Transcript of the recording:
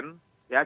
yang usah future